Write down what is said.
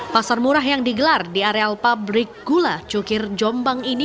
pasar murah yang digelar di areal pabrik gula cukir jombang ini